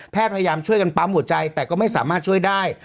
พยายามช่วยกันปั๊มหัวใจแต่ก็ไม่สามารถช่วยได้